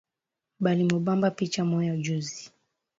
Balimubamba picha moya juzi